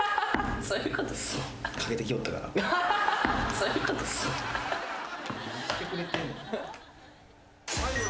そういうことっすね。